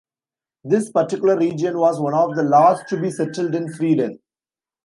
This particular region was one of the last to be settled in Sweden.